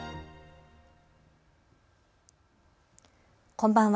こんばんは。